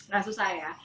gak susah ya